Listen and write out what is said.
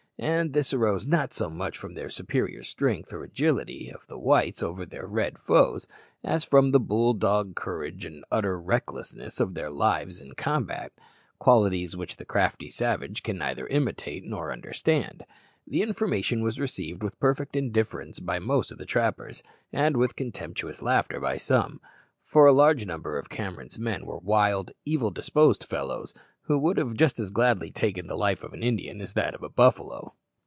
And this arose not so much from the superior strength or agility of the Whites over their red foes, as from that bull dog courage and utter recklessness of their lives in combat qualities which the crafty savage can neither imitate nor understand. The information was received with perfect indifference by most of the trappers, and with contemptuous laughter by some; for a large number of Cameron's men were wild, evil disposed fellows, who would have as gladly taken the life of an Indian as that of a buffalo.